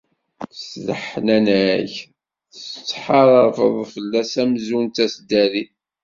S leḥnana-k, tettḥarabeḍ fell-as amzun d taseddarit.